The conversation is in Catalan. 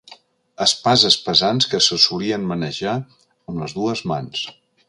Espases pesants que se solien manejar amb les dues mans.